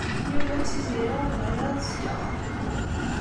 Yuba d Tiziri ur bɣin ara ad sekṛen.